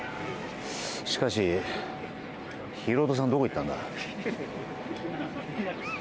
しかし、ヒロドさんはどこに行ったんだ？